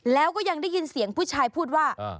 แล้วก็ยังได้ยินเสียงผู้ชายพูดว่า